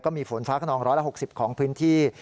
ก็มีฝนฟ้าขนองร้อยละ๖๐ของพื้นที่